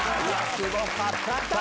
すごかった！